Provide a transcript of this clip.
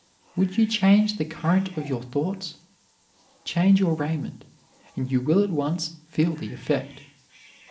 "Would you change the current of your thoughts? Change your raiment, and you will at once feel the effect."